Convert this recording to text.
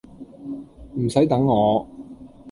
唔洗等我